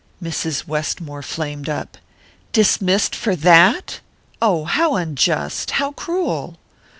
Mrs. Westmore flamed up. "Dismissed for that? Oh, how unjust how cruel!"